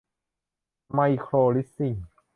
ไมโครลิสซิ่ง